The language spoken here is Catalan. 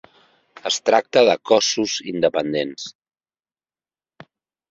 Es tracta de cossos independents.